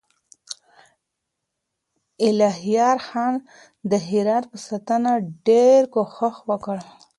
الهيار خان د هرات په ساتنه کې ډېر کوښښ وکړ.